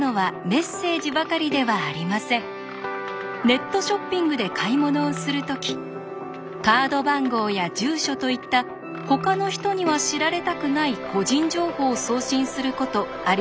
ネットショッピングで買い物をする時カード番号や住所といったほかの人には知られたくない個人情報を送信することありますよね？